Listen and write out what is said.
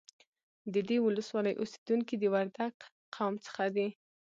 د دې ولسوالۍ اوسیدونکي د وردگ قوم څخه دي